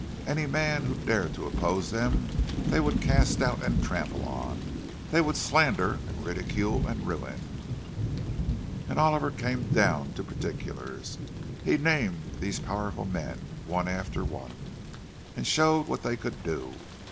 Any man who dared to oppose them, they would cast out and trample on, they would slander and ridicule and ruin. And Oliver came down to particulars—he named these powerful men, one after one, and showed what they could do.